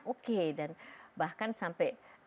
oke dan bahkan sampai